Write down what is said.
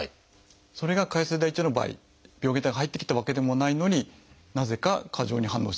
それが潰瘍性大腸炎の場合病原体が入ってきたわけでもないのになぜか過剰に反応してしまう。